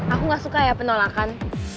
aku gak suka ya penolakan